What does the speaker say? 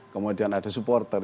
kemudian ada supporter